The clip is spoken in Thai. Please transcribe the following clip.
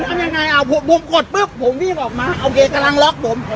ทำยังไงอ่ะผมกดปุ๊บผมรีบออกมาโอเคกำลังล็อกผม